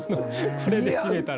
これで締めたら。